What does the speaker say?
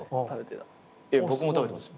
僕も食べてました。